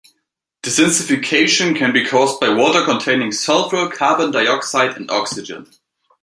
Dezincification can be caused by water containing sulfur, carbon dioxide, and oxygen.